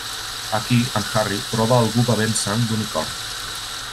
Aquí en Harry troba a algú bevent sang d'unicorn.